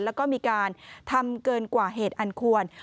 แล้วก็มีการทำเกินกว่าเหตุอันควร